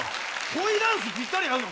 恋ダンスぴったり合うの？